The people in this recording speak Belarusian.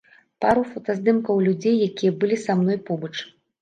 Пару фотаздымкаў людзей, якія былі са мной побач.